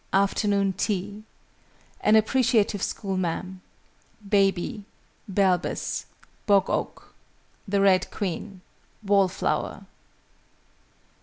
AFTERNOON TEA. AN APPRECIATIVE SCHOOLMA'AM. BABY. BALBUS. BOG OAK. THE RED QUEEN. WALL FLOWER.